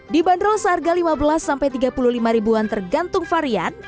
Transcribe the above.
di banderol seharga rp lima belas rp tiga puluh lima tergantung varian